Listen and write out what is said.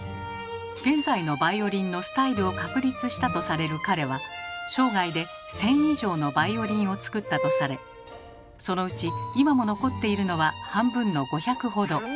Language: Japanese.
現在のバイオリンのスタイルを確立したとされる彼は生涯で１，０００以上のバイオリンを作ったとされそのうち今も残っているのは半分の５００ほど。